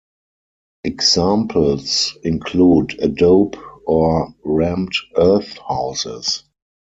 Examples include adobe or rammed earth houses.